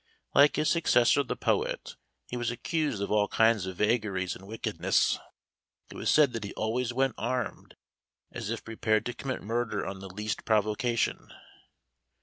Like his successor the poet, he was accused of all kinds of vagaries and wickedness. It was said that he always went armed, as if prepared to commit murder on the least provocation.